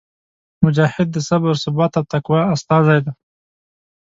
مجاهد د صبر، ثبات او تقوا استازی دی.